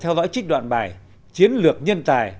theo dõi trích đoạn bài chiến lược nhân tài